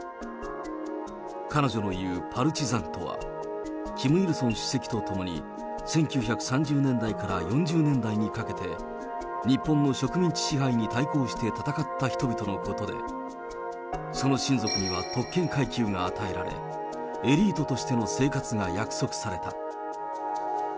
彼女の言うパルチザンとは、キム・イルソン主席とともに１９３０年代から４０年代にかけて、日本の植民地支配に対抗して戦った人々のことで、その親族には特権階級が与えられ、エリートとしての生活が約束された。